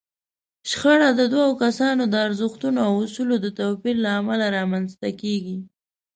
شخړه د دوو کسانو د ارزښتونو او اصولو د توپير له امله رامنځته کېږي.